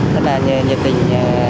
rất là nhiệt tình